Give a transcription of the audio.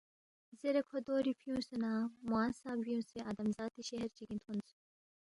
زیرے کھو دوری فیُونگسے نہ موانگ سہ بیُونگسے آدم ذاتی شہر چِگِنگ تھونس